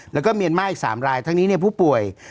แล้วก็เมียนมาร์อีก๓รายทั้งนี้ผู้ป่วย